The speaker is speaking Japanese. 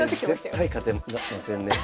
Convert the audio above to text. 絶対勝てませんね。